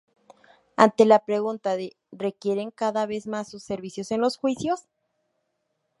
Ante la pregunta de “¿requieren cada vez más sus servicios en los juicios?